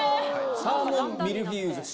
サーモンミルフィーユ寿司。